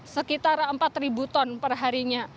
sekitar empat ton perharinya